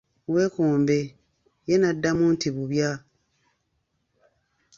Weekombe ye n'addamu nti bubya.